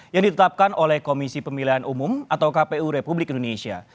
yang ditetapkan oleh komisi pemilihan umum atau kpu republik indonesia